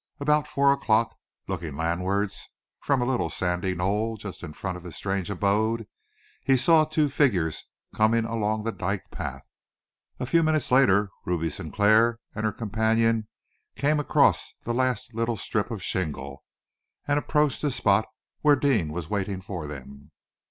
About four o'clock, looking landwards from a little sandy knoll just in front of his strange abode, he saw two figures coming along the dyke path. A few minutes later, Ruby Sinclair and her companion came across the last little strip of shingle, and approached the spot where Deane was waiting for them.